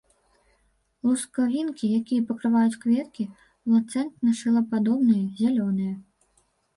Лускавінкі, якія пакрываюць кветкі, ланцэта-шылападобныя, зялёныя.